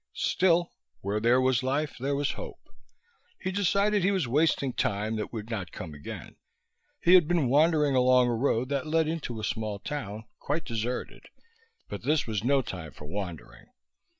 Still where there was life there was hope. He decided he was wasting time that would not come again. He had been wandering along a road that led into a small town, quite deserted, but this was no time for wandering.